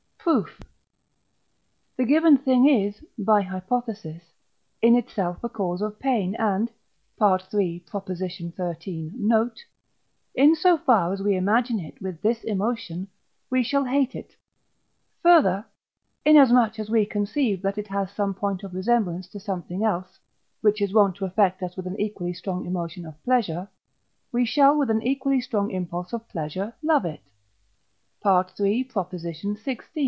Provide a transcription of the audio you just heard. Proof. The given thing is (by hypothesis) in itself a cause of pain, and (III. xiii. note), in so far as we imagine it with this emotion, we shall hate it: further, inasmuch as we conceive that it has some point of resemblance to something else, which is wont to affect us with an equally strong emotion of pleasure, we shall with an equally strong impulse of pleasure love it (III. xvi.)